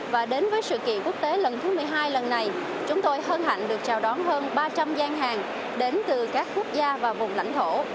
và đến với sự kiện quốc tế lần thứ một mươi hai lần này chúng tôi hân hạnh được chào đón hơn ba trăm linh gian hàng đến từ các quốc gia và vùng lãnh thổ